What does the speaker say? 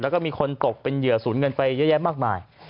แล้วก็มีคนตกเป็นเหยื่อสูญเงินไปเยอะแยะมากมาย